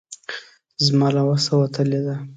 زما له وسه وتلې ده.